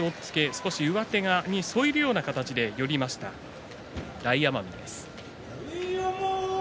少し上手側を添えるような形で寄り切りました大奄美です